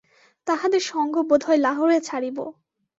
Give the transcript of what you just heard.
তাঁহাদের সঙ্গ বোধ হয় লাহোরে ছাড়িব।